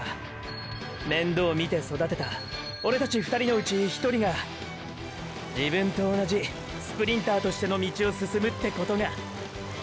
面倒見て育てたオレたち２人のうち１人が自分と同じスプリンターとしての道を進むってことが。